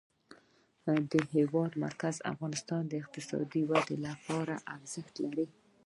د هېواد مرکز د افغانستان د اقتصادي ودې لپاره ارزښت لري.